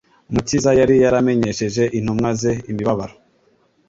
Umukiza yari yaramenyesheje intumwa ze imibabaro,